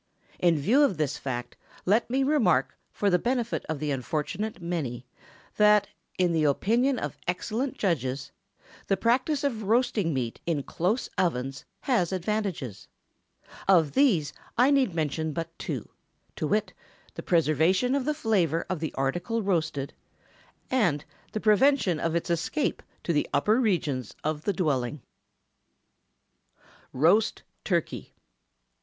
In view of this fact, let me remark, for the benefit of the unfortunate many, that, in the opinion of excellent judges, the practice of roasting meat in close ovens has advantages. Of these I need mention but two, to wit, the preservation of the flavor of the article roasted, and the prevention of its escape to the upper regions of the dwelling. ROAST TURKEY.